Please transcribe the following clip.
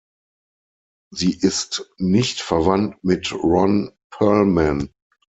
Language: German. Sie ist nicht verwandt mit Ron Perlman.